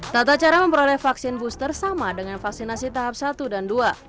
tata cara memperoleh vaksin booster sama dengan vaksinasi tahap satu dan dua